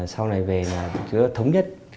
sau này về là thống nhất